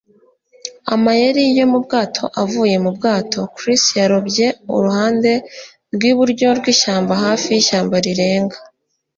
amayeri yo mu bwato avuye mu bwato, Chris yarobye uruhande rw'iburyo rw'ishyamba hafi y'ishyamba rirenga.